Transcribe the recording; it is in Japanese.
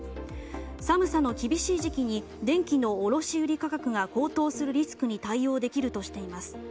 寒さの厳しい時期に電気の卸売価格が高騰するリスクに対応できるとしています。